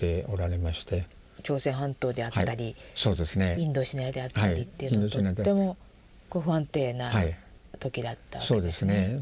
朝鮮半島であったりインドシナであったりっていうのはとってもこう不安定な時だったわけですね。